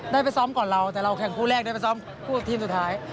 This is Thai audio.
ได้ไปซ้อมก่อนเราแต่เราแข่งคู่แรกได้ไปซ้อมคู่ทีมสุดท้าย